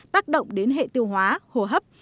tác động đến hệ tiêu hóa hồ hấp